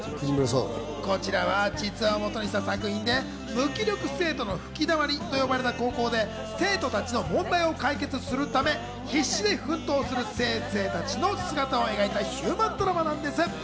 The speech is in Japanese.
こちらは実話をもとにした作品で無気力生徒の吹きだまりと呼ばれた高校で生徒たちの問題を解決するため、必死で奮闘する先生たちの姿を描いたヒューマンドラマなんです。